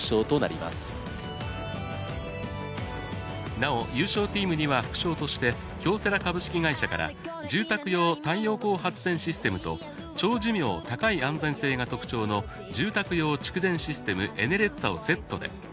なお優勝チームには副賞として「京セラ株式会社」から住宅用太陽光発電システムと長寿命高い安全性が特徴の住宅用蓄電システム「Ｅｎｅｒｅｚｚａ」をセットで。